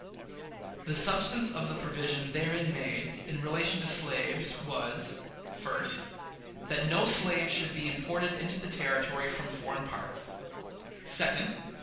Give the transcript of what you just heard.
The substance of the provision therein made in relation to slaves was: First. That no slave should be imported into the Territory from foreign parts. Second.